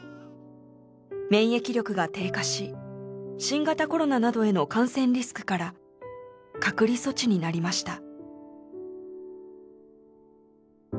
免疫力が低下し新型コロナなどへの感染リスクから隔離措置になりました。